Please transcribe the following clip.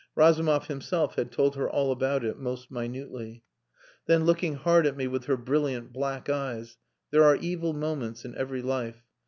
Razumov himself had told her all about it, most minutely. Then, looking hard at me with her brilliant black eyes "There are evil moments in every life.